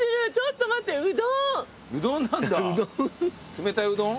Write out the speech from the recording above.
冷たいうどん？